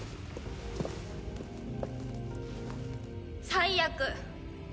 最悪！